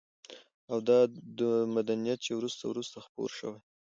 او دا مدنيت چې وروسته وروسته خپور شوى